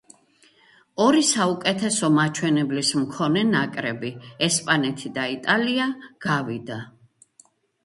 ორი საუკეთესო მაჩვენებლის მქონე ნაკრები, ესპანეთი და იტალია, გავიდა.